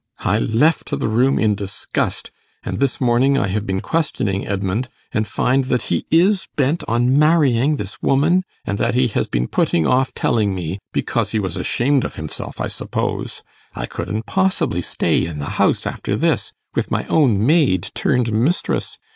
I left the room in disgust, and this morning I have been questioning Edmund, and find that he is bent on marrying this woman, and that he has been putting off telling me because he was ashamed of himself, I suppose. I couldn't possibly stay in the house after this, with my own maid turned mistress.